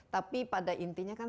tapi pada intinya kan